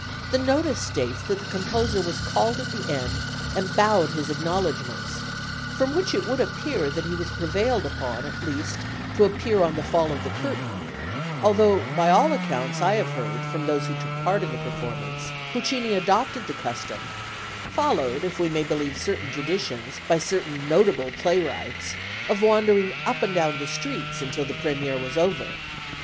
The notice states that the composer was called at the end and bowed his acknowledgments, from which it would appear that he was prevailed upon at least to appear on the fall of the curtain, although, by all accounts I have heard from those who took part in the performance, Puccini adopted the custom followed, if we may believe certain traditions, by certain notable playwrights of wandering up and down the streets until the première was over.